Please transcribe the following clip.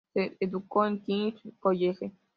Se educó en el "King's College".